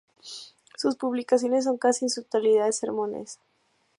Sus publicaciones son casi en su totalidad sermones.